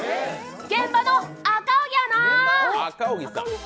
現場の赤荻アナ。